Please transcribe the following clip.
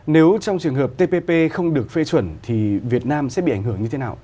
nếu trong trường hợp tpp không được phê chuẩn thì việt nam sẽ bị ảnh hưởng như thế nào